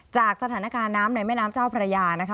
จากสถานการณ์น้ำในแม่น้ำเจ้าพระยานะคะ